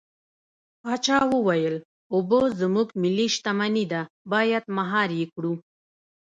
پاچا وويل: اوبه زموږ ملي شتمني ده بايد مهار يې کړو.